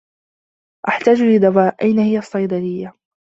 أحتاج لدواء. أين هي الصّيدليّة؟